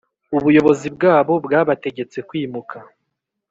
Ubuyobozi bwabo bwabategetse kwimuka.